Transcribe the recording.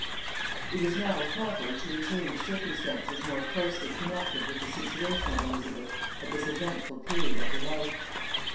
It is now proper to return to circumstances more closely connected with the situation of Elizabeth at this eventful period of her life.